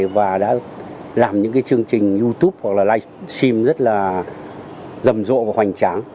và đã làm những chương trình youtube hoặc là live stream rất là rầm rộ và hoành tráng